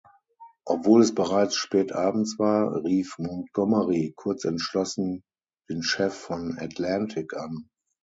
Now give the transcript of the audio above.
Obwohl es bereits spät abends war, rief Montgomery kurzentschlossen den Chef von Atlantic an.